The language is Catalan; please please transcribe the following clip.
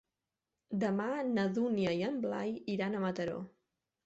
Demà na Dúnia i en Blai iran a Mataró.